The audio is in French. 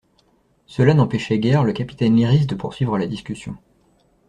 Cela n'empêchait guère le capitaine Lyrisse de poursuivre la discussion.